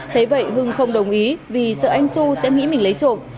thế vậy hưng không đồng ý vì sợ anh xu sẽ nghĩ mình lấy trộm